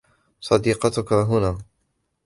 صديقتك هنا.